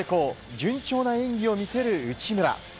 順調な演技を見せる内村。